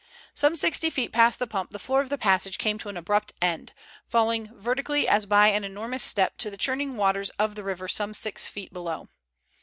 Some sixty feet past the pump the floor of the passage came to an abrupt end, falling vertically as by an enormous step to churning waters of the river some six feet below.